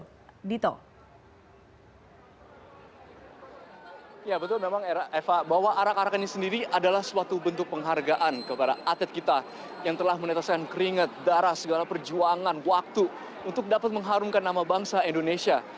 ya betul memang eva bahwa arak arakan ini sendiri adalah suatu bentuk penghargaan kepada atlet kita yang telah menetaskan keringet darah segala perjuangan waktu untuk dapat mengharumkan nama bangsa indonesia